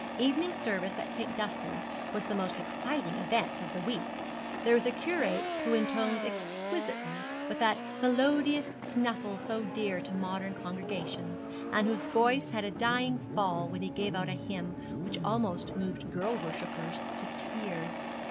Evening service at St. Dunstan's was the most exciting event of the week. There was a curate who intoned exquisitely, with that melodious snuffle so dear to modern congregations, and whose voice had a dying fall when he gave out a hymn which almost moved girl worshippers to tears.